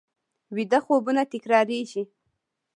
ویده خوبونه تکرارېږي